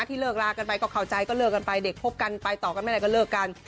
เลิกลากันไปก็เข้าใจก็เลิกกันไปเด็กพบกันไปต่อกันไม่ได้ก็เลิกกัน